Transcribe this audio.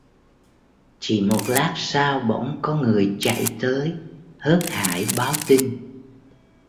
Chỉ một lát sau bỗng có người chạy tới hớt hải báo tin